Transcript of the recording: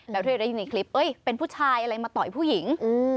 แล้วที่เราได้ยินในคลิปเป็นผู้ชายอะไรมาต่อยผู้หญิง